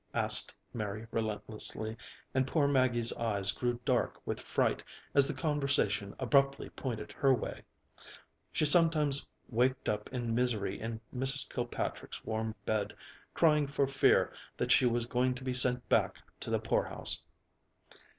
asked Mary relentlessly, and poor Maggie's eyes grew dark with fright as the conversation abruptly pointed her way. She sometimes waked up in misery in Mrs. Kilpatrick's warm bed, crying for fear that she was going to be sent back to the poorhouse.